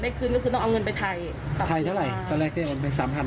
เราก็กลัวโดนฆ่าโดนตีโดน